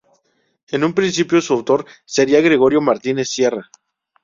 En un principio su autor sería Gregorio Martínez Sierra.